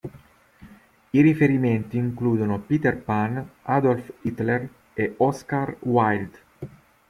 I riferimenti includono Peter Pan, Adolf Hitler e Oscar Wilde.